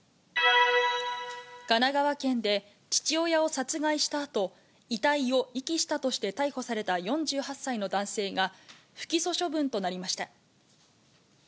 神奈川県で父親を殺害したあと、遺体を遺棄したとして逮捕された４８歳の男性が、不起訴処分となりました。